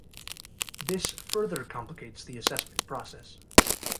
This further complicates the assessment process.